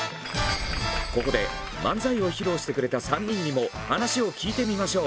ここで漫才を披露してくれた３人にも話を聞いてみましょう。